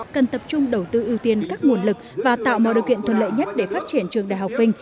cần tập trung đầu tư ưu tiên các nguồn lực và tạo mọi điều kiện thuận lợi nhất để phát triển trường đại học vinh